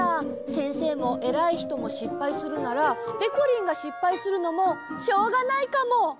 せんせいもえらいひともしっぱいするならでこりんがしっぱいするのもしょうがないかも。